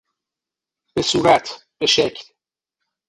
به صورت، به شکل